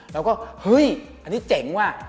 เราก็เฮ้ยอันนี้เจ๋งว่ะ